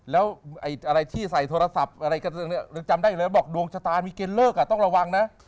แล้วอะไรที่ใส่โทรศัพท์อะไรกันเนี่ยยังจำได้เลยบอกดวงชะตามีเกณฑ์เลิกต้องระวังนะ